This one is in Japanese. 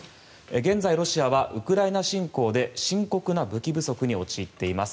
現在、ロシアはウクライナ侵攻で深刻な武器不足に陥っています。